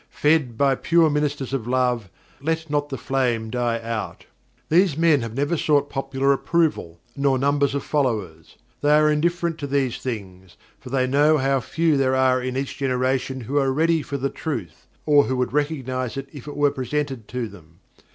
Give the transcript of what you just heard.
Fed by pure ministers of love let not the flame die out!" These men have never sought popular approval, nor numbers of followers. They are indifferent to these things, for they know how few there are in each generation who are ready for the truth, or who would recognize it if it were presented to them.